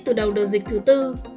từ đầu đợt dịch thứ bốn